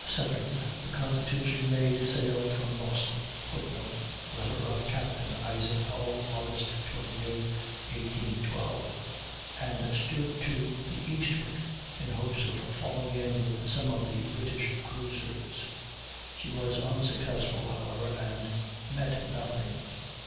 2d the Constitution made sail from Boston [Footnote: Letter of Capt. Isaac Hull, Aug. 28, 1812.] and stood to the eastward, in hopes of falling in with some of the British cruisers. She was unsuccessful, however, and met nothing.